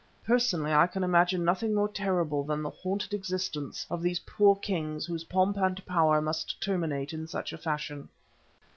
Personally, I can imagine nothing more terrible than the haunted existence of these poor kings whose pomp and power must terminate in such a fashion.